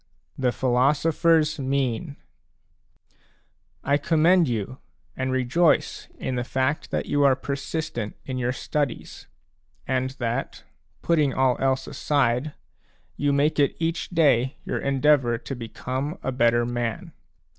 THE PHILOSOPHER'S MEAN I commend you and rejoice in the fact that you are persistent in your studies, and that, putting all else aside, you make it each day your endeavour to become a better man.